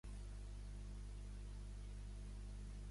Cap a Venice, Califòrnia.